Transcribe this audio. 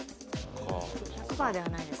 １００％ではないです。